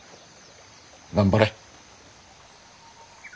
頑張れ。